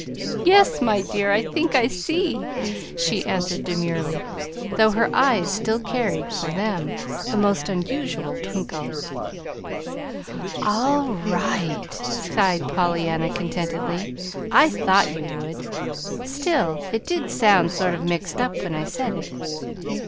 "Yes, my dear, I think I see," she answered demurely, though her eyes still carried for them a most unusual twinkle. "All right," sighed Pollyanna contentedly. "I thought you would; still, it did sound sort of mixed when I said it.